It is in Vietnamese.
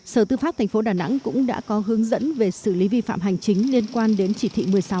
sở tư pháp tp đà nẵng cũng đã có hướng dẫn về xử lý vi phạm hành chính liên quan đến chỉ thị một mươi sáu